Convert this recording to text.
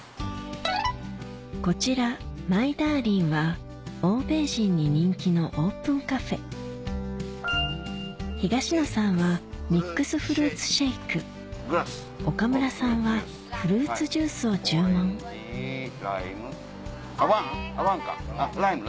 こちらマイダーリンは欧米人に人気のオープンカフェ東野さんはミックスフルーツシェイク岡村さんはフルーツジュースを注文ワン？